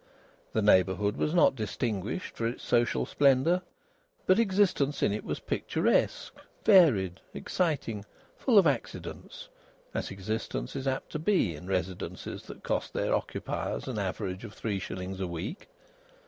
The neighbourhood was not distinguished for its social splendour, but existence in it was picturesque, varied, exciting, full of accidents, as existence is apt to be in residences that cost their occupiers an average of three shillings a week.